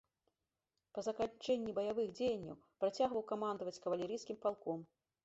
Па заканчэнні баявых дзеянняў працягваў камандаваць кавалерыйскім палком.